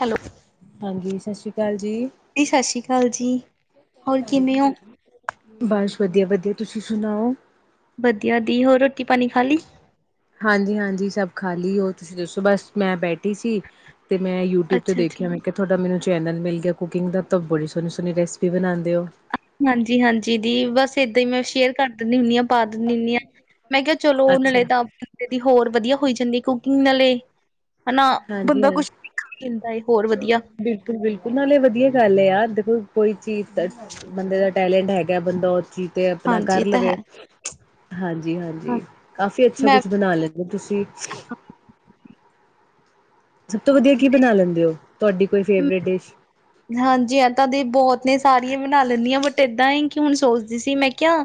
Hello, ਹਾਂਜੀ, ਸਸਰੀ ਕਾਲ ਜੀ। ਦੀ ਸਸਰੀ ਕਾਲ ਜੀ, ਹੋਰ ਕਿਵੇਂ ਓਂ? ਬਸ ਵਦੀਆ-ਵਦੀਆ ਤੁਸੀਂ ਸੁਨਾਓ। ਵਦੀਆ ਦੀ ਹੋਰ ਰੋਟੀ ਪਾਨੀ ਖਾਲੀ। ਹਾਂਜੀ-ਹਾਂਜੀ ਸਬ ਖਾਲੀ, ਹੋਰ ਤੁਸੀਂ ਦੱਸੋ ਬਸ ਮੈਂ ਬੈਠੀ ਸੀ। ਤੇ ਮੈਂ ਯੂਟਿਊਬ ਤੇ ਅੱਛਾ ਅੱਛਾ ਦੇਖੇਆ ਮੈਂ ਕਿ ਥੋਡਾ ਮੈਨੂੰ ਚੈਨਲ ਮਿਲ ਗਿਆ ਕੁਕਿੰਗ ਦਾ ਤਾਂ ਬੜੀ ਸੋਨੀ ਸੋਨੀ ਰੈਸਪੀ ਬਨਾਂਦੇ ਓ। ਹਾਂਜੀ-ਹਾਂਜੀ ਦੀ ਬਸ ਏਦਾਂ ਈ ਮੈਂ ਸ਼ੇਅਰ ਕਰ ਦਿੰਨੀ ਹੁੰਦੀ ਆਂ। ਪਾ ਦਿੰਦੀ ਹੁੰਨੀ ਆਂ, ਮੈਂ ਕਿਆ ਚਲੋ ਅੱਛਾ ਨਲੇ ਤਾਂ ਬੰਦੇ ਦੀ ਹੋਰ ਵਦੀਆ ਹੋਈ ਜਾਂਦੀ ਕੁਕਿੰਗ ਨਾਲੇ, ਹਨਾ ਹਾਂਜੀ ਬੰਦਾ ਕੁਛ ਦਿੰਦਾ ਏ ਹੋਰ ਵਦੀਆ। ਬਿਲਕੁਲ-ਬਿਲਕੁਲ ਨਾਲੇ ਵਧੀਆ ਗੱਲ ਏ ਯਾਰ ਦੇਖੋ ਕੋਈ ਚੀਜ਼ ਤਾਂ ਬੰਦੇ ਦਾ ਟੈਲੈਂਟ ਹੈਗਾ ਬੰਦਾ ਓ ਚੀ ਤੇ ਆਪਨਾ ਹਾਂਜੀ ਕਰ ਇਹ ਤਾਂ ਹੈ ਲਵੇ ਹਾਂ, ਹਾਂਜੀ-ਹਾਂਜੀ ਕਾਫੀ ਅੱਛਾ ਮੈਂ ਕੁਛ ਬਨਾ ਲੈ ਜੇ ਤੁਸੀਂ ਸਬ ਤੋਂ ਵਦੀਆ ਕੀ ਬਨਾ ਲੈਂਦੇ ਓਂ, ਤੁਆਡੀ ਕੋਈ ਫੇਵਰੇਟ ਡਿਸ਼ ਹਾਂਜੀ ਐ ਤਾਂ ਦੀ ਬੋਤ ਨੇ ਸਾਰੀਆਂ ਬਨਾ ਲੈਂਨੀ ਆਂ ਬਟ ਏਦਾਂ ਈ ਕੇ ਹੁਨ ਸੋਚਦੀ ਸੀ ਮੈਂ ਕਿਆ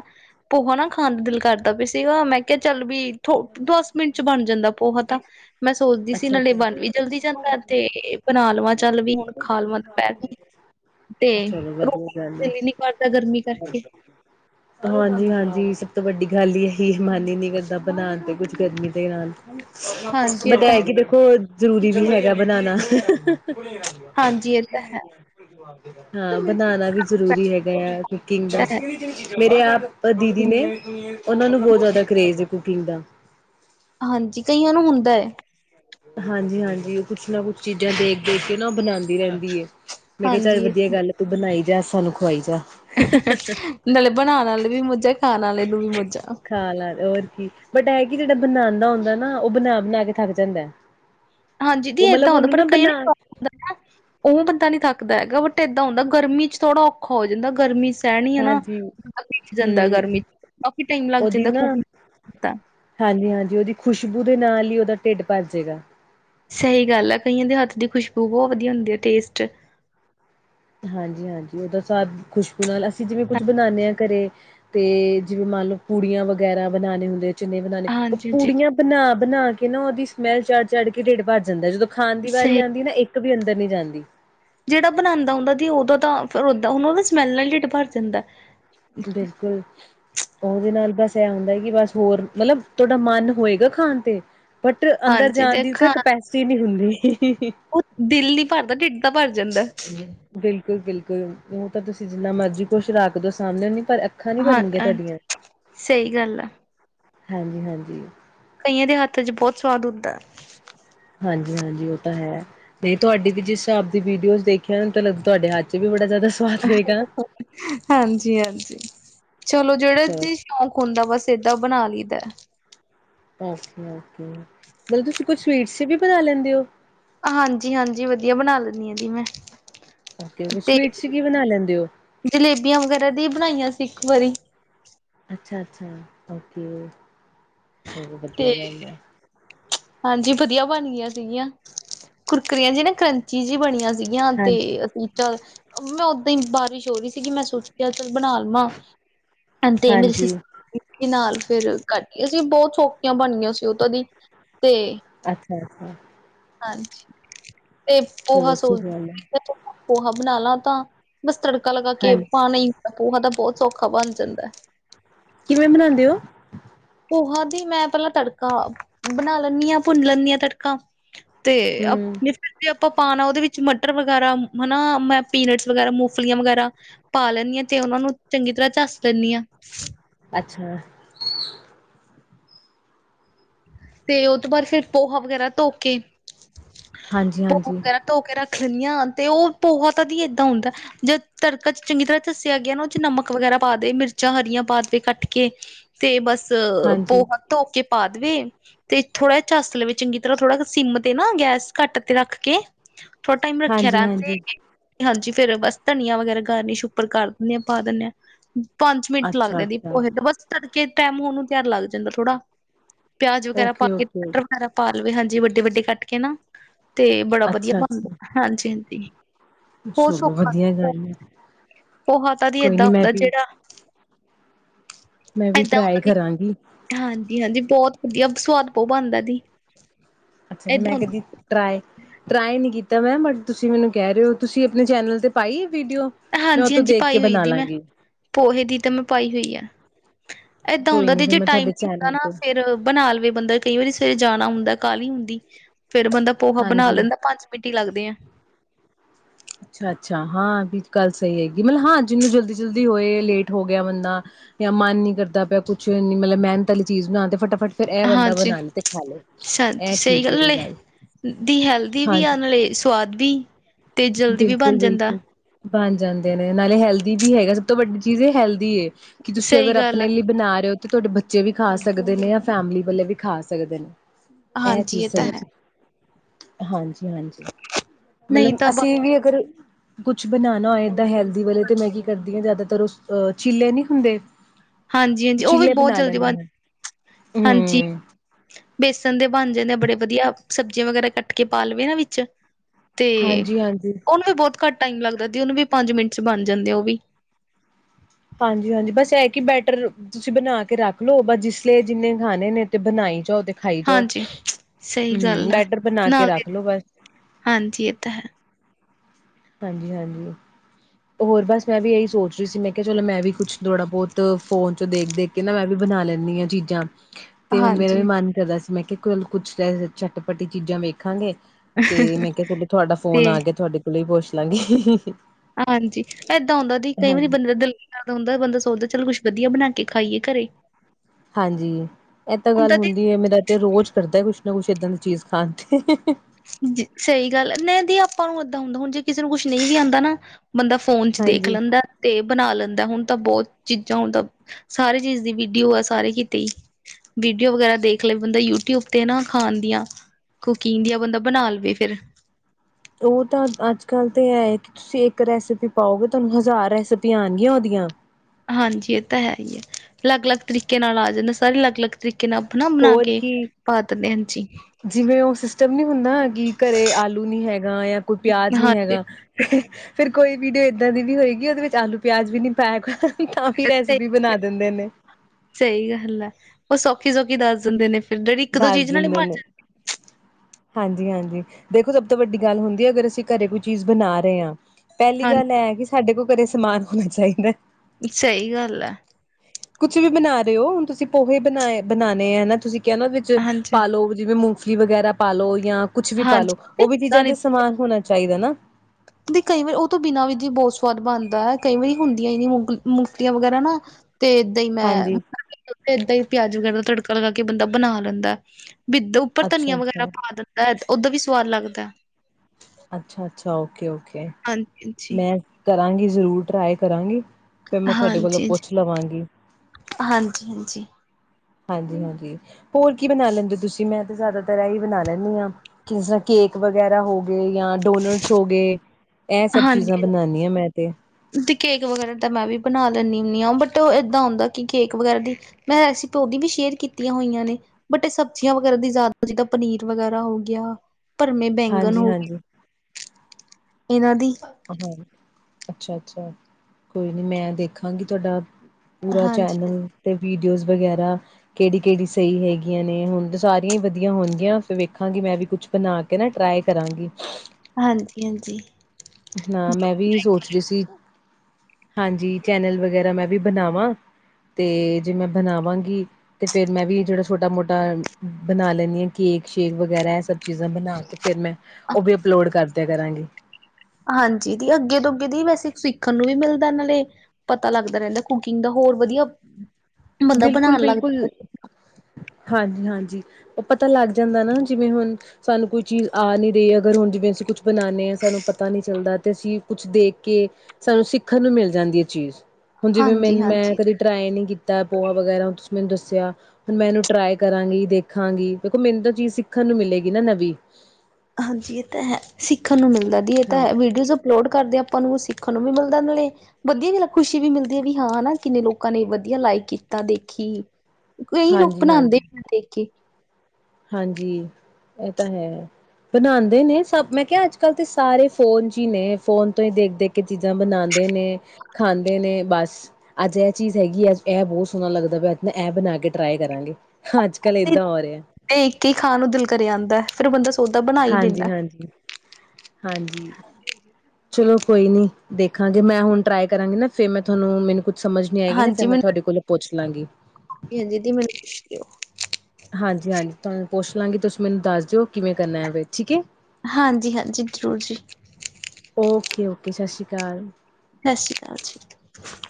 ਪੋਹਾ ਨਾ ਖਾਨ ਦਾ ਦਿਲ ਕਰਦਾ ਪਿਆ ਸੀਗਾ ਮੈਂ ਕਿਆ ਚੱਲ ਵੀ ਥੋ ਦਸ ਮਿੰਟ ਚ ਬਨ ਜਾਂਦਾ। ਪੋਹਾ ਤਾਂ ਮੈਂ ਸੋਚਦੀ ਸੀ ਅੱਛਾ ਨਾਲੇ ਅੱਛਾ ਬਨ ਵੀ ਜਲਦੀ ਜਾਂਦਾ ਤੇ ਬਨਾ ਲਵਾਂ। ਚੱਲ ਵੀ ਹੁਨ ਖਾ ਲਮਾਂ ਦਪੈਰ ਨੂੰ, ਤੇ ਚਲੋ ਰੋਟੀ ਵਧੀਆ ਨੂੰ ਗੱਲ ਤੇ ਏ। ਦਿਲ ਈ ਨੀ ਕਰਦਾ ਗਰਮੀ ਕਰਕੇ। [inaudible] ਹਾਂਜੀ-ਹਾਂਜੀ ਸਭ ਤੋਂ ਵੱਡੀ ਗੱਲ ਈ ਏਹੀ ਮਨ ਈ ਨੀ ਕਰਦਾ ਬਣਾਣ 'ਤੇ ਕੁਛ ਗਰਮੀ 'ਤੇ ਨਾਲ। ਹਾਂਜੀ ਇਹ ਬਟ ਤਾਂ ਐ ਹੈ ਕਿ ਦੇਖੋ ਜ਼ਰੂਰੀ ਵੀ ਹੈਗਾ ਬਣਾਣਾ। [inaudible] ਹਾਂਜੀ ਇਹ ਤਾਂ ਹੈ ਹਾਂ ਬਣਾਣਾ ਵੀ ਜਰੂਰੀ ਹੈਗਾ ਆ ਕੁਕਿੰਗ ਦਾ ਤਾਂ ਹੈ ਮੇਰੇ ਆਪ ਦੀਦੀ ਨੇ ਉਨਾਂ ਨੂੰ ਬੋ ਜਿਆਦਾ ਕਰੇਜ ਏ ਕੁਕਿੰਗ ਦਾ। ਹਾਂਜੀ ਕਈਆਂ ਨੂੰ ਹੁੰਦੈ। ਹਾਂਜੀ-ਹਾਂਜੀ ਓ ਕੁਛ ਨਾ ਕੁਛ ਚੀਜ਼ਾਂ ਦੇਖ-ਦੇਖ ਕੇ ਨਾ ਬਣਾਂਦੀ ਰੈਂਦੀ ਏ। ਮੈਂ ਕੇਆ ਚੱਲ ਹਾਂਜੀ ਵਧੀਆ ਗੱਲ ਤੂੰ ਬਣਾਈ ਜਾਂ ਸਾਨੂੰ ਖਵਾਈ ਜਾ। ਨਾਲੇ ਬਣਾਣ ਆਲੇ ਵੀ ਮੌਜਾਂ ਖਾਣ ਆਲੇ ਨੂੰ ਵੀ ਮੌਜਾਂ। ਖਾਲਾ ਔਰ ਕਿ ਬਟ ਇਹ ਕਿ ਜੇੜਾ ਬਣਾਂਦਾ ਹੁੰਦਾ ਨਾ ਓ ਬਣਾ-ਬਣਾ ਕੇ ਥੱਕ ਜਾਂਦੈ। ਹਾਂਜੀ ਦੀ ਏਦਾਂ ਹੁੰਦਾ ਪਰ ਕਈ ਨ ਓ ਬੰਦਾ ਨੀ ਥੱਕਦਾ ਹੈਗਾ ਬਟ ਏਦਾਂ ਹੁੰਦਾ ਗਰਮੀ 'ਚ ਥੋੜਾ ਔਖਾ ਹੋ ਜਾਂਦਾ ਗਰਮੀ ਸਹਿਣੀ ਅ ਨਾ, ਹਾਂਜੀ ਜਾਂਦਾ ਹੂੰ ਗਰਮੀ ਕਾਫੀ ਟਾਈਮ ਲੱਗ ਜਾਂਦਾ ਕੁਕਿੰਗ, ਕਾ। ਹਾਂਜੀ-ਹਾਂਜੀ ਉਦੀ ਖੁਸ਼ਬੂ ਦੇ ਨਾਲ ਈ ਉਦਾ ਢਿੱਡ ਭਰ ਜੇਗਾ। ਸਹੀ ਗੱਲ ਐ ਕਈਆਂ ਦੇ ਹੱਥ ਦੀ ਖੁਸ਼ਬੂ ਬੋ ਵਧੀਆ ਹੁੰਦੀ ਆ ਟੇਸਟ। ਹਾਂਜੀ-ਹਾਂਜੀ ਉਦਾ ਸਵਾਦ ਖੁਸ਼ਬੂ ਨਾਲ ਅਸੀਂ ਜਿਵੇਂ ਕੁਛ ਬਣਾਣੇ ਆ ਘਰੇ ਤੇ ਜਿਵੇਂ ਮੰਨ ਲੋ ਪੂੜੀਆਂ ਵਗੈਰਾ ਬਣਾਣੇ ਹੁੰਦੇ ਆ ਚਨੇ ਬਣਾਣੇ ਤੋਂ ਹਾਂਜੀ ਹਾਂਜੀ ਪੂੜੀਆਂ ਬਣਾ-ਬਣਾ ਕੇ ਨਾ ਉਦੀ ਸਮੈਲ ਚੜ-ਚੜ ਕੇ ਢਿੱਡ ਭਰ ਜਾਂਦਾ ਜਦੋਂ ਖਾਣ ਦੀ ਵਾਰੀ ਸਹੀ ਆਂਦੀ ਨਾ ਇੱ ਕ ਵੀ ਅੰਦਰ ਨੀ ਜਾਂਦੀ। ਜੇੜਾ ਬਣਾਂਦਾ ਹੁੰਦਾ ਦੀ ਉਦੋਂ ਤਾਂ ਫੇਰ ਉਦਾ ਹੁਣ ਉਦੀ ਸਮੈਲ ਨਾਲ ਢਿੱਡ ਭਰ ਜਾਂਦੈਂ। ਬਿਲਕੁੱਲ। ਉਦੇ ਨਾਲ ਬਸ ਐ ਹੁੰਦਾ ਕਿ ਬਸ ਹੋਰ ਮਤਲਬ ਤੁਹਾਡਾ ਮਨ ਹੋਏਗਾ ਖਾਣ 'ਤੇ ਬਟ ਅੰਦਰ ਹਾਂਜੀ ਜਾਣ ਤੇ ਦੀ ਤਾਂ ਕਪੈਸਿਟੀ ਨੀ ਹੁੰਦੀ। ਓ ਦਿਲ ਨੀ ਭਰਦਾ ਢਿੱਡ ਤਾਂ ਭਰ ਜਾਂਦੈਂ। ਬਿਲਕੁੱਲ-ਬਿਲਕੁੱਲ ਓ ਤਾਂ ਤੁਸੀਂ ਜਿੰਨਾ ਮਰਜ਼ੀ ਕੁਛ ਰੱਖ ਦੋ ਸਾਹਮਣੇ ਨੀ ਪਰ ਐ ਅੱਖਾਂ ਨੀ ਹਾਂ ਭਰਨ ਗੀਆ ਹਾਂ, ਤੁਹਾਡੀਆਂ, ਸਹੀ ਗੱਲ ਆ ਹਾਂਜੀ-ਹਾਂਜੀ। ਕਈਆਂ ਦੇ ਹੱਥ 'ਚ ਬੋਤ ਸਵਾਦ ਹੁੰਦਾ ਐ। ਹਾਂਜੀ-ਹਾਂਜੀ ਓ ਤਾਂ ਹੈ। ਨਈ ਤੁਹਾਡੀ ਵੀ ਜਿਸ ਸਾਬ ਦੀ ਵੀਡੀਓਜ਼ ਦੇਖੀਆਂ ਮੈਨੂੰ ਤਾਂ ਲੱਗ ਤੁਹਾਡੇ ਹੱ 'ਚ ਵੀ ਬੜਾ ਜਿਆਦਾ ਸ ਹਾਂਜੀ-ਹਾਂਜੀ, ਚਲੋ ਜੇੜੇ ਚਲੋ ਜੀ ਸ਼ੌਕ ਹੁੰਦਾ ਬਸ ਏਦਾਂ ਬਣਾ ਲਈਦੈ। ਓਕੇ-ਓਕੇ ਮਤਲਬ ਤੁਸੀਂ ਕੋਈ ਸਵੀਟਸ ਵੀ ਬਣਾ ਲੈਂਦੇ ਓ? ਹਾਂਜੀ-ਹਾਂਜੀ ਵਧੀਆ ਬਣਾ ਲੈਂਨੀ ਆ ਜੀ ਮੈਂ। ਓਕੇ ਓ ਤੇ ਸਵੀਟਸ 'ਚ ਕੀ ਬਣਾ ਲੈਂਦੇ ਓ? ਜਲੇਬੀਆਂ ਵਗੈਰਾ ਦੀ ਬਣਾਈਆਂ ਸੀ ਇੱਕ ਵਾਰੀ। ਅੱਛਾ-ਅੱਛਾ ਓਕੇ, ਹੋ ਤੇ ਵਧੀਆ ਗੱਲ ਐ। ਹਾਂਜੀ ਵਧੀਆ ਬਣ ਗਈਆਂ ਸੀਗੀਆਂ, ਕੁਰਕਰੀਆਂ ਜੀ ਨਾ ਕਰੰਚੀ ਜੀ ਬਣੀਆਂ ਸੀਗੀਆਂ ਹਣ ਹਾਂ 'ਤੇ ਅਸੀਂ ਚਲ ਮੈਂ ਉਦਾਂ ਈ ਬਾਰਿਸ਼ ਹੋ ਰੀ ਸੀਗੀ ਮੈਂ ਸੋਚਿਆਂ ਚਲ ਬਣਾ ਲਮਾ। ਹਣ 'ਤੇ ਮੇਰੀ ਹਾਂਜੀ, ਸਿਸ ਨਾਲ ਫਿਰ ਕਰਲੀਆਂ ਸੀ ਬੋਤ ਸੌਖੀਆਂ ਬਣਗੀਆਂ ਸੀ ਓ ਤਾਂ ਦੀ। ਤੇ ਅੱਛਾ-ਅੱਛਾ। ਹਾਂਜੀ 'ਤੇ ਚਲੋ ਪੋਹਾ ਸੋ ਅੱਛੀ ਗੱਲ ਐ। ਪੋਹਾ ਬਣਾ ਲਾ ਤਾਂ ਬਸ ਤੜਕਾ ਲਗਾ ਕੇ ਹਾਂਜੀ, ਪਾਣਾ ਈ ਪੋਹਾ ਤਾਂ ਬਹੁਤ ਸੌਖਾ ਬਣ ਜਾਂਦਾ ਐ। ਕਿਵੇਂ ਬਣਾਦੇ ਆ? ਹਾ ਦੀ ਮੈਂ ਪਹਿਲਾਂ ਤੜਕਾ ਬਣਾ ਲੈਂਦੀ ਆ, ਭੁੰਨ ਲੈਂਨੀ ਆ, ਤੜਕਾ ਤੇ ਹੂੰ, ਆਪਣੀ ਜੇ ਆਪਾਂ ਪਾਣਾ ਉਹਦੇ ਵਿੱਚ ਮਟਰ ਵਗੈਰਾ ਹਨਾ ਮੈਂ ਪੀਨਟਸ ਵਗੈਰਾ, ਮੂੰਗਫਲੀਆਂ ਵਗੈਰਾ ਪਾ ਲੈਂਨੀ ਆ ਤੇ ਉਹਨਾਂ ਨੂੰ ਚੰਗੀ ਤਰ੍ਹਾਂ ਝੱਸ ਦੇਨੀ ਆ। ਅੱਛਾ ਤੇ ਉਹ ਤੋਂ ਬਾਅਦ ਫਿਰ ਪੋਹਾ ਵਗੈਰਾ ਧੋ ਕੇ ਹਾਂਜੀ ਪੋਹਾ -ਹਾਂਜੀ ਵਗੈਰਾ ਧੋ ਕੇ ਰੱਖ ਲੈਂਦੀ ਆ ਤੇ ਉਹ ਪੋਹਾ ਤਾਂ ਦੀ ਏਦਾਂ ਹੁੰਦਾ ਜੇ ਤੜਕਾ ਚ ਚੰਗੀ ਤਰ੍ਹਾਂ ਦੱਸਿਆ ਗਿਆ ਨਾਂ ਉਹ ਚ ਨਮਕ ਵਗੈਰਾ ਪਾ ਦੇ ਮਿਰਚਾਂ ਹਰੀਆਂ ਪਾ ਦੇ ਕੱਟ ਕੇ। ਤੇ ਬਸ ਹਾਂਜੀ। ਪੋਹਾ ਧੋ ਕੇ ਪਾ ਦੇਈਏ। ਤੇ ਥੋੜ੍ਹਾ ਜਿਹਾ ਝਸ ਲਵੇ ਚੰਗੀ ਤਰ੍ਹਾਂ ਥੋੜ੍ਹਾ ਸਿੰਮ ਤੇ ਨਾ ਗੈਸ ਘੱਟ ਤੇ ਰੱਖ ਕੇ ਥੋੜਾ ਟਾਈਮ ਰੱਖਿਆ ਰਹਿਣ ਦੇ ਹਾਂਜੀ-ਹਾਂਜੀ, ਗੇ। ਹਾਂਜੀ ਫਿਰ ਬਸ ਧਨੀਆਂ ਵਗੈਰਾ ਗਾਰਨਿਸ਼ ਉੱਪਰ ਕਰ ਦਿੰਨੇ ਆ ਪਾ ਦਿੰਨੇ ਆ। ਪੰਜ ਮਿੰਟ ਲੱਗਦੇ ਦੀ ਅੱਛਾ-ਅੱਛਾ, ਪੋਹੇ ਤੇ, ਬਸ ਤੜਕੇ ਟਾਈਮ ਹੋਣ ਨੂੰ ਤਿਆਰ ਲੱਗ ਜਾਂਦਾ ਥੋੜਾ। ਪਿਆਜ ਵਗੈਰਾ ਪਾ ਕੇ ਓਕੇ-ਓਕੇ, ਟਮਾਟਰ ਵਗੈਰਾ ਪਾ ਲਵੇ, ਹਾਂਜੀ ਵੱਡੇ -ਵੱਡੇ ਕੱਟ ਕੇ ਨਾਂ। ਤੇ ਬੜਾ ਵਧੀਆ ਬ ਅੱਛਾ-ਅੱਛਾ। ਹਾਂਜੀ ਹਾਜੀ। ਬਹੁਤ ਚਲੋ ਸੌਖਾ ਵਧੀਆ ਬ ਗੱਲ ਐ, ਪੋਹਾ ਤਾਂ ਦੀ ਕੋਈ ਏਦਾਂ ਨੀ ਮੈਂ ਹੁੰਦਾ ਵੀ ਜਿਹੜਾ ਮੈਂ ਵੀ ਟਰਾਈ ਕਰਾਂਗੀ। ਹਾਂਜੀ- ਹਾਂਜੀ ਬਹੁਤ ਵਧੀਆ, ਸਵਾਦ ਬਹੁਤ ਬਣਦਾ ਦੀ। ਅੱਛਾ ਫ ਜੀ, ਮੈਂ ਏਦਾਂ ਤੇ ਜੀ ਟਰਾਏ, ਟਰਾਏ ਨੀਂ ਕੀਤਾ ਮੈਮ ਬਟ ਤੁਸੀਂ ਮੈਨੂੰ ਕਹਿ ਰਹੇ ਤੁਸੀਂ ਆਪਣੇ ਚੈਨਲ ਤੇ ਪਾਈ ਵੀਡੀਓ? ਮ ਉਹ ਤੇ ਹਾਂਜੀ-ਹਾਂਜੀ ਦੇਖ ਕੇ ਪਾਈ ਹੋਈ ਬਣਾ ਦੀ ਮੈਂ ਲਾਂਗੀ। ਪੋਹੇ ਦੀ ਤਾਂ ਮੈਂ ਪਾਈ ਹੋਈ ਆ, ਏਦਾਂ ਕੋਈ ਹੁੰਦਾ ਨੀ ਦੀ ਫਿਰ ਜੇ ਮੈਂ ਟਾਈਮ ਤੁਹਾਡੇ ਨ ਹੁੰਦਾ ਚੈਨਲ ਨਾ ਤੋਂ ਫਿਰ ਬਣਾ ਲਵੇ ਬੰਦਾ ਕਈ ਵਾਰੀ ਸਵੇਰੇ ਜਾਣਾ ਹੁੰਦਾ ਕਾਹਲੀ ਹੁੰਦੀ ਫੇਿਰ ਬੰਦਾ ਪੋਹਾ ਬਣਾ ਹਾਂਜੀ, ਲੈਂਦਾ ਪੰਜ ਮਿੰਟ ਈ ਲੱਗਦੇ ਆ। ਅੱਛਾ -ਅੱਛਾ ਹਾਂ ਇਹ ਤਾ ਗੱਲ ਸਹੀ ਹੈਗੀ, ਮਤਲਬ ਹਾਂ ਜਿਹਨੂੰ ਜਲਦੀ- ਜਲਦੀ ਹੋਏ ਲੇਟ ਗਿਆ ਬੰਦਾ। ਜਾਂ ਮਨ ਨੀ ਕਰਦਾ ਪਿਆ ਕੁੱਛ ਨੀ ਮਤਲਬ ਮਿਹਨਤ ਵਾਲੀ ਚੀਜ਼ ਬਣਾ ਤੇ ਫਟਾ ਫ ਫਿਰ ਇਹ ਬੰਦਾ ਹਾਂਜੀ ਬਣਾ ਲੈ ਤੇ ਖਾ ਲੈ ਹਾਂਜੀ ਇਹ ਸਹੀ ਠੀਕ, ਇਹ ਏ ਗੱਲ। ਦੀ ਹੈਲਦੀ ਵੀ ਆ ਹਾਂਜੀ ਨਾਲੇ ਸਵਾਦ ਵੀ ਤੇ ਜਲਦੀ ਵੀ ਬਣ ਜਾਂਦਾ ਬਿਲਕੁਲ-ਬਿਲਕੁਲ ਬਣ ਜਾਂਦੇ ਨੇ ਨਾਲੇ ਹੈਲਦੀ ਵੀ ਹੈਗਾ, ਸਭ ਤੋਂ ਵੱਡੀ ਚੀਜ਼ ਹੈਲਦੀ ਏ ਕਿ ਤੁਸੀਂ ਅਗਰ ਸਹੀ ਗੱਲ ਆਪਣੇ ਆ ਲਈ ਬਣਾ ਰਹੇ ਔ। ਕਿ ਤੁਹਾਡੇ ਬੱਚੇ ਵੀ ਖਾ ਸਕਦੇ ਨੇ ਜਾਂ ਫੈਮਿਲੀ ਵੇ ਵੀ ਖਾ ਸਕਦੇ ਨੇ। ਇਹ ਹਾਂਜੀ ਚੀਜ਼ ਤਾਂ ਸਹੀ ਹੈ ਹੈ ਹਾਂਜੀ- ਹਾਂਜੀ ਨਹੀਂ ਮਤਲਬ ਤਾਂ ਏ ਵੀ ਅਗਰ ਕੁਛ ਬਣਾਇਆ ਇਏਦਾਂ ਹੈਲਦੀ ਵਾਲੇ ਤੇ ਮੈਂ ਕੀ ਕਰਦੀ ਹਾਂ ਜ਼ਿਆਦਾਤਰ ਉਸਹ ਚੀਲੇ ਨਹੀ ਹੁੰਦੇ। ਹਾਂਜੀ- ਹਾਂਜੀ ਉਹ ਵੀ ਚੀਲੇ ਬਹੁਤ ਬਣਾ ਜਲਦੀ ਬਣ ਲੈਂਦੀ ਹਾਂ ਹਾਂਜੀ। ਹਮ ਬੇਸਨ ਦੇ ਬਣ ਜਾਂਦੇ ਆ ਬੜੇ ਵਧੀਆ ਸਬਜ਼ੀਆਂ ਵਗੈਰਾ ਕੱਟ ਕੇ ਪਾ ਲਵੇ ਨਾ ਵਿੱਚ ਤੇ ਹਾਂਜੀ ਹਾਂਜੀ ਉਹਨੂੰ ਵੀ ਬਹੁਤ ਘੱਟ ਟਾਈਮ ਲੱਗਦਾ ਦੀ ਉਣੂ ਵੀ ਪੰਜ ਮਿੰਟ ਚ ਬਣ ਜਾਂਦੇ ਉਹ ਵੀ ਹਾਂਜੀ -ਹਾਂਜੀ ਇਹ ਕਿ ਬੈਟਰ ਤੁਸੀਂ ਬਣਾ ਰੱਖ ਲੋਓ, ਬ ਜਿਸ ਲਈ ਜਿੰਨੇ ਖਾਣੇ ਤੇ ਬਣਾਏ ਜਾਓ, ਤੇ ਖਾਈ ਜਾਓ ਹਾਂਜੀ ਸਹੀ ਹਮ ਗੱਲ ਹੈ ਮੈਟਰ ਬਣਾ ਕੇ ਨਾਲ ਦੇ ਰੱਖ ਲੋੋ ਬਸ ਹਾਂਜੀ ਇਹ ਤਾਂ ਹੈ। ਹਾਂਜੀ- ਹਾਂਜੀ ਹੋਰ ਬਸ ਮੈਂ ਵੀ ਐਈ ਸੋਚ ਰੀ ਸੀ ਮੈਂ ਕੇਆ ਚਲੋ ਮੈਂ ਵੀ ਕੁੱਛ ਥੋੜਾ ਬੋਤ ਫੋਨ ਚ ਦੇਖ-ਦੇਖ ਕੇ ਨਾ ਮੈਂ ਵੀ ਬਨਾ ਲੈਂਨੀ ਆਂ ਚੀਜਾਂ। ਤੇ ਹੁਨ ਮੇਰਾ ਵੀ ਹਾਂਜੀ ਮਨ ਕਰਦਾ ਸੀ ਮੈਂ ਕੈ ਕੁਲ ਕੁਛ ਰੈ ਚਟਪਟੀ ਚੀਜਾਂ ਵੇਖਾਂਗੇ। ਤੇ ਮੈਂ ਕੈ ਤੁਆਡਾ ਤੇ ਫੋਨ ਆ ਗੇਆ ਤੁਆਡੇ ਕੋਲੋਂ ਈ ਪੁੱਛ ਲਾਂਗੇ ਹਾਂਜੀ, ਏਦਾਂ ਹੁੰਦਾ ਦੀ ਕਈ ਵਾਰੀ ਬੰਦੇ ਦਾ ਦਿਲ ਦਾ ਹੁੰਦਾ ਬੰਦਾ ਸੋਚਦਾ ਚੱਲ ਕੁੱਛ ਵਧੀਆ ਬਣਾ ਕੇ ਖਾਈਏ ਘਰੇ ਹਾਂਜੀ, ਐ ਤਾਂ ਗੱਲ ਹੁੰਦਾ ਤੇ ਹੁੰਦੀ ਏ ਮੇਰਾ ਤੇ ਰੋਜ ਕਰਦਾ ਐ ਕੁਛ ਨਾ ਕੁਛ ਏਦਾਂ ਦੀ ਚੀਜ਼ ਖਾਣ ਤੇ ਸਈ ਗੱਲ ਨਈ ਦੀ ਆਪਾਂ ਨੂੰ ਏਦਾਂ ਹੁੰਦਾ ਹੁਣ ਜੇ ਕਿਸੇ ਨੂੰ ਕੁਛ ਨਈ ਵੀ ਆਉਂਦਾ ਨਾ ਬੰਦਾ ਫੋਨ ਚ ਦੇਖ ਹਾਂਜੀ ਲੈਂਦਾ ਐ। ਤੇ ਬਨਾ ਲੈਂਦਾ ਐ। ਹੁਨ ਤਾਂ ਬੋਤ ਚੀਜਾਂ ਹੁਣ ਤਾਂ ਸਾਰੇ ਚੀਜ਼ ਦੀ ਵੀਡੀਓ ਆ ਸਾਰੇ ਕਿਤੇ ਈ। ਵੀਡੀਓ ਵਗੈਰਾ ਦੇਖ ਲੇ ਬੰਦਾ ਯੂਟਿਊਬ ਤੇ ਨਾ ਖਾਣ ਦੀਆਂ ਕੁਕਿੰਗ ਦੀਆਂ ਬੰਦਾ ਬਨਾ ਲਵੇ ਫੇਰ ਉਹ ਤਾਂ ਅੱਜ-ਕੱਲ ਤੇ ਐਏ ਤੁਸੀ ਏਕ ਰੈਸਿਪੀ ਪਾਓਗੇ। ਤਾਨੂੰ ਹਜ਼ਾਰ ਰੈਸਪੀਆਂ ਆਣਗੀਆਂ ਓਦੀਆਂ। ਹਾਂਜੀ, ਐ ਤੇ ਹੈ ਈ ਐ। ਲੱਗ- ਲੱਗ ਤਰੀਕੇ ਨਾਲ ਆ ਜਾਂਦਾ। ਸਾਰੇ ਲੱਗ-ਲੱਗ ਤਰੀਕੇ ਨਾਲ ਅਪਣਾ ਬਨਾ ਹੋਰ ਕੇ ਕੀ ਪਾ ਦੇਂਦੇ, ਹਾਂਜੀ। ਜਿਵੇਂ ਓ ਸਿਸਟਮ ਨੀ ਹੁੰਦਾ ਕਿ ਘਰੇ ਆਲੂ ਨੀ ਹੈਗਾ ਯਾਂ ਕੋਈ ਪੇਆਜ ਨੀ ਹਾਂਜੀ ਹੈਗਾ। ਫੇਰ ਕੋਈ ਵੀਡੀਓ ਏਦਾਂ ਦੀ ਵੀ ਹੋਏਗੀ। ਓਦੇ ਵਿੱਚ ਆਲੂ ਪਿਆਜ ਵੀ ਨੀ ਪਾਏਆ ਤਾਂ ਵੀ ਰੈਸਪੀ ਬਨਾ ਦੇਂਦੇ ਨੇ। ਸਈ ਗੱਲ ਐ। ਓ ਸੌਖੀ- ਸੌਖੀ ਦੱਸ ਦੇਂਦੇ ਨੇ। ਜਿਹੜੀ ਇੱਕ ਦੋ ਦੱਸ ਚੀਜ਼ ਨਾਲ ਦਿੰਦੇ ਨੇ। [unintelligible] ਹਾਂਜੀ- ਹਾਂਜੀ ਦੇਖੋ, ਸਭ ਤੋਂ ਵੱਡੀ ਗੱਲ ਹੁੰਦੀ ਏ ਅਗਰ ਅਸੀ ਘਰੇ ਕੋਈ ਚੀਜ਼ ਬਨਾ ਰੇ ਆਂ। ਪੈਲੀ ਗੱਲ ਹਾਂਜੀ ਐ ਏ ਕਿ ਸਾਡੇ ਕੋਲ ਘਰੇ ਸਮਾਨ ਹੋਨਾ ਚਾਈਦਾ। ਸਈ ਗੱਲ ਐ। ਕੁਛ ਵੀ ਬਨਾ ਰੇ ਓ, ਹੁਨ ਤੁਸੀ ਪੋਹੇ ਬਨਾਏ ਬਨਾਨੇ ਆਨਾ ਤੁਸੀ ਕੇਆ ਨਾ ਵਿ ਚ ਹਾਂਜੀ ਪਾਲੋ ਜਿਵੇਂ ਮੂੰਗਫਲੀ ਵਗੈਰਾ ਪਾਲੋ ਯਾਂ ਕੁੱਛ ਵੀ ਪਾਲੋ ਹਾਂਜੀ ਓ ਵੀ ਪਤਾ ਚੀਜ਼ਾਂ ਨੀ ਤੇ ਸਮਾਨ ਹੋਨਾ ਚਾਈਦਾ ਨਾ। ਤੇ ਕਈ ਵਾਰੀ ਓਤੋਂ ਬਿਨਾਂ ਵੀ ਦੀ ਬੋਤ ਸਵਾਦ ਬਨਦਾ ਐ। ਕਈ ਵਾਰੀ ਹੁੰਦੀਆਂ ਈ ਨੀ ਮੁਗ ਮੁੰਗਫ਼ਲੀਆਂ ਵਗੈਰਾ ਨਾ ਤੇ ਨਈ ਮੈਂ ਹਾਂਜੀ ਏਦਾਂ ਈ ਪੇਆਜ ਵਗੈਰਾ ਦਾ ਤੜਕਾ ਲਗਾ ਕੇ ਬੰਦਾ ਬਣਾ ਲੈਂਦਾ ਐ ਪਰ ਅੱਛਾ ਧਨੀਆਂ ਵਗੈਰਾ ਅੱਛਾ ਪਾ ਦੇਂਦਾ ਐ ਉਦਾਂ ਵੀ ਸਵਾਦ ਲੱਗਦਾ ਐ। ਅੱਛਾ ਅੱਛਾ ਓਕੇ ਓਕੇ। ਹਾਂਜੀ ਜੀ। ਕਰਾਂਗੀ ਜ਼ਰੂਰ ਟਰਾਈ ਕਰਾਂਗੀ ਤੇ ਮੈਂ ਤੋਹਾਡੇ ਕੋਲੋਂ ਹਾਂਜੀ ਜੀ ਪੁੱਛ ਲਵਾਂਗੀ। ਹਾਂਜੀ ਹਾਂਜੀ। ਹਾਂਜੀ ਹਾਂਜੀ। ਹੋਰ ਕੀ ਬਨਾ ਲੈਂਦੇ ਓ ਤੁਸੀ? ਮੈਂ ਤਾਂ ਜਾ਼ਦਾਤਰ ਐਈ ਬਨਾ ਲੈਂਨੀ ਆਂ, ਕਿ ਜਿਸਾਂ ਕੇਕ ਵਗੈਰਾ ਹੋ ਗੇ ਯਾਂ ਡੋਨਟਸ ਹੋਗੇ। ਐ ਸਭ ਚੀਜ਼ਾਂ ਬਨਾਨੀ ਆਂ ਮੈਂ ਤੇ। ਦੀ ਕੇਕ ਵਗੈਰਾ ਤਾਂ ਮੈਂ ਵੀ ਬਨਾ ਲੈਨੀ ਹੁਨੀ ਆਂ ਬਟ ਓ ਏਦਾਂ ਹੁੰਦਾ ਕੀ ਕੇਕ ਵਗੈਰਾ ਦੀ ਮੈਂ ਰੈਸਿਪੀ ਓਦੀ ਵੀ ਸ਼ੇਅਰ ਕੀਤੀਆਂ ਹੋਈਆਂ ਨੇ। ਬਟ ਐ ਸਬਜ਼ੀਆਂ ਵਗੈਰਾ ਦੀ ਜਾ਼ ਜਿੱਦਾਂ ਪਨੀਰ ਵਗੈਰਾ ਹੋ ਗੇਆ। ਭਰਮੇ ਬੈਂਗਨ ਹੋਗੇ ਹਾਂਜੀ-ਹਾਂਜੀ ਏਨਾਂ ਦੀ। ਹਾਂ, ਅੱਛਾ ਅੱਛਾ। ਕੋਈ ਨੀ ਮੈਂ ਦੇਖਾਂਗੀ ਤੋਹਾਡਾ ਪੂਰਾ ਹਾਂਜੀ ਚੈਨਲ ਤੇ ਵੀਡੀਓਜ਼ ਵਗੈਰਾ। ਕਿਹੜੀ-ਕਿਹੜੀ ਸਹੀ ਹੈਗੀਆ ਨੇ ਹੁਣ ਤੇ ਸਾਰੀਆ ਹੀ ਵਧੀਆ ਹੋਣਗੀਆ ਫਿਰ ਵੇਖਾਂਗੀ ਮੈਂ ਵੀ ਕੁੱਛ, ਬਣਾ ਕੇ ਨਾ ਟਰਾਈ ਕਰਾਂਗੀ। ਹਾਂਜੀ-ਹਾਂਜੀ। ਹਾਂ ਮੈਂ ਵੀ ਸੋਚ ਰਹੀ ਸੀ। ਹਾਂਜੀ ਚੈਨਲ ਵਗੈਰਾ ਮੈਂ ਵੀ ਬਣਾਵਾਂ। ਤੇ ਜੇ ਮੈਂ ਬਣਾਵਾਂਗੀ, ਤੇ ਫਿਰ ਮੈਂ ਵੀ ਜਿਹੜਾ ਛੋਟਾ ਮੋਟਾ, ਬਣਾ ਲੈਣੀ ਹਾਂ ਕੇਕ ਸ਼ੇਕ ਵਗੈਰਾ ਇਹ ਸਭ ਚੀਜ਼ਾਂ ਬਣਾ ਕੇ ਫਿਰ ਮੈਂ ਉਹ ਵੀ ਅਪਲੋਡ ਕਰ, ਦਿਆ ਕਰਾਂਗੀ। ਹਾਂਜੀ ਦੀ ਅੱਗੇ ਤੋਂ ਅੱਗੇ ਦੀ ਵੈਸੇ ਸਿੱਖਣ ਨੂੰ ਵੀ ਮਿਲਦਾ ਨਾਲੇ। ਪਤਾ ਲੱਗਦਾ ਰਹਿੰਦਾ ਕੁਕਿੰਗ ਦਾ ਹੋਰ ਵਧੀਆ, ਬੰਦਾ ਬਿਲਕੁਲ ਬਣਾਉਣ ਬਿਲਕੁਲ ਲੱਗਦਾ [inaudible] ਹਾਂਜੀ-ਹਾਂਜੀ, ਉਹ ਪਤਾ ਲੱਗ ਜਾਂਦਾ ਨਾ ਜਿਵੇਂ ਹੁਣ, ਸਾਨੂੰ ਕੋਈ ਚੀਜ਼ ਆ ਨਹੀ ਰਹੀ ਅਗਰ ਹੁਣ ਜਿਵੇਂ ਅਸੀਂ ਕੁਛ ਬਣਾਉਣੇ ਹਾਂ ਸਾਨੂੰ ਪਤਾ ਨੀ ਚੱਲਦਾ ਤੇ ਅਸੀਂ ਕੁਛ ਦੇਖ ਕੇ, ਸਾਨੂੰ ਸਿੱਖਣ ਨੂੰ ਮਿਲ ਜਾਂਦੀ ਹੈ ਚੀਜ਼, ਹੁਣ ਜਿਵੇਂ ਹਾਂਜੀ ਮੈਨ ਮੈਂ ਹਾਂਜੀ ਕਦੇ ਟਰਾਈ ਨਹੀਂ ਕੀ ਤਾ ਪੋਹਾ ਵਗੈਰਾ ਤੁਸੀਂ ਮੈਨੂੰ ਦੱਸਿਆ। ਹੁਣ ਮੈਂ ਇਹਨੂੰ ਟਰਾਈ ਕਰਾਂਗੀ ਦੇਖਾਂਗੀ ਦੇਖੋ ਮੈਨੂੰ ਤਾਂ ਚੀਜ਼ ਸਿੱਖਣ ਨੂੰ ਮਿਲੇਗੀ ਨਾ ਨਵੀਂ। ਹਾਂਜੀ ਇਹ ਤਾਂ ਹੈ ਸਿੱਖਣ ਨੂੰ ਮਿਲਦਾ ਦੀ ਇਹ ਤਾਂ ਹਾਂਜੀ ਹੈ ਵੀਡੀਓਜ਼, ਲੋਡ ਕਰਦੇ ਆ ਆਪਾਂ ਨੂੰ ਸਿੱਖਣ ਨੂੰ ਵੀ ਮਿਲਦਾ ਨਾਲੇ, ਵਧੀਆ ਜਾ ਲੱਗ ਖੁਸ਼ੀ ਵੀ ਮਿਲਦੀ ਹੈ ਵੀ ਹਾਂ ਹਨਾ ਕਿੰਨੇ ਲੋਕਾਂ ਨੇ ਵਧੀਆ ਲਾਈਕ ਕੀਤਾ ਦੇਖੀ, ਕਈ ਲੋਕ ਹਾਂਜੀ ਬਣਾਦੇ ਹਾਂਜੀ ਮੈ ਦੇਖੇ, ਹਾਂਜੀ, ਇਹ ਤਾਂ ਹੈ। ਬਣਾਦੇ ਨੇ ਸਭ ਮੈਂ ਕਿਹਾ ਅੱਜ-ਕੱਲ ਤੇ ਸਾਰੇ ਫੋਨ ਚ ਹੀ ਨੇ ਫੋਨ ਤੋਂ ਹੀ ਦੇਖ-ਦੇਖ ਕੇ ਚੀਜ਼ਾਂ ਬਣਾਦੇ ਨੇ ਖਾਂਦੇ ਨੇ ਬਸ, ਅੱਜ ਇਹ ਚੀਜ਼ ਹੈਗੀ ਹੈ ਅੱਜ ਇਹ ਬਹੁਤ ਸੋਹਣਾ ਲੱਗਦਾ ਪਿਆ ਅੱਜ ਐ ਬਣਾ ਕੇ ਟਰਾਈ ਕਰਾਂਗੇ ਅੱਜ ਕੱਲ ਤੇ ਇਦਾਂ ਹੋ ਰਿਹਾ। ਦੇਖ ਕੇ ਖਾਣ ਨੂੰ ਦਿਲ ਕਰ ਆਉਂਦਾ ਫਿਰ ਬੰਦਾ ਸੋਚਦਾ ਬਣਾ ਹੀ ਲੈਣਾ। ਹਾਂਜੀ ਹਾਂਜੀ ਹਾਂਜੀ। ਚਲੋ ਕੋਈ ਨੀ ਦੇਖਾਂਗੇ ਮੈਂ ਹੁਣ ਟਰਾਈ ਕਰਾਂਗੀ ਨਾ ਫਿਰ ਮੈਂ ਤੁਹਾਨੂੰ ਮੈਨੂੰ ਕੁ ਸਮਝ ਨੀ ਆਏਗੀ ਨਾ ਫਿਰ ਮੈਂ ਤੁਹਾਡੇ ਕੋਲੋਂ ਪੁੱਛ ਲਾ ਗੀ। ਹਾਂ ਦੀਦੀ ਮੈਨੂੰ ਪੁੱਛ ਲਓ। ਹਾਂਜੀ-ਹਾਂਜੀ, ਤੁਹਾਨੂੰ ਪੁੱਛ ਲਾਂਗੀ ਤੁਸੀਂ ਮੈਨੂੰ ਦੱਸ ਦਿਓ ਕਿਵੇਂ ਕਰਨਾ ਹੈ ਫਿਰ ਠੀਕ ਏ। ਹਾਂਜੀ-ਹਾਂਜੀ, ਜ਼ਰੂਰ ਜੀ। ਓਕੇ-ਓਕੇ ਸਤਿ ਸ਼੍ਰੀ ਅਕਾਲ। ਸਤਿ ਸ਼੍ਰੀ ਅਕਾਲ ਜੀ।